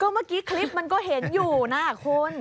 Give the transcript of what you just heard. เมื่อกี้คลิปมันก็เห็นอยู่นะคุณ